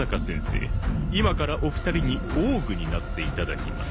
今からお二人にオーグになっていただきます。